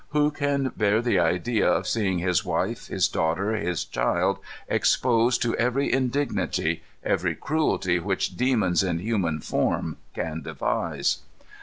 Who can bear the idea of seeing his wife, his daughter, his child exposed to every indignity, every cruelty which demons in human form can devise?